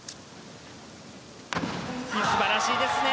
素晴らしいですね！